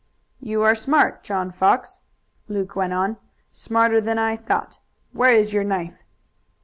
"You are smart, John Fox," Luke went on, "smarter than I thought. Where is your knife?"